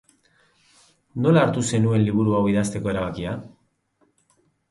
Nola hartu zenuen liburu hau idazteko erabakia?